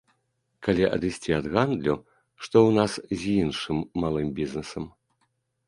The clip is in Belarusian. Калі адысці ад гандлю, што ў нас з іншым малым бізнесам?